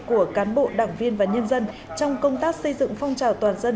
của cán bộ đảng viên và nhân dân trong công tác xây dựng phong trào toàn dân